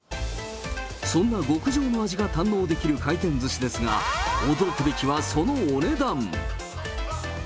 そんな極上の味が堪能できる回転ずしですが、驚くべきはそのお値段。